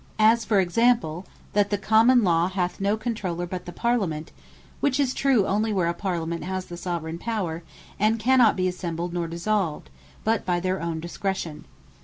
As for example, "That the Common Law, hath no Controuler but the Parlament;" which is true onely where a Parlament has the Soveraign Power, and cannot be assembled, nor dissolved, but by their own discretion.